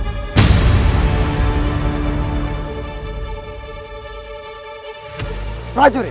kau sudah menyerang pancacaran